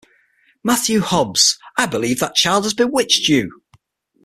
Matthew Hobbs, I believe that child has bewitched you!